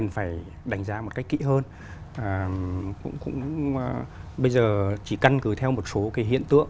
phải đánh giá một cách kỹ hơn bây giờ chỉ căn cứ theo một số cái hiện tượng